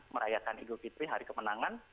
merayakan idul fitri hari kemenangan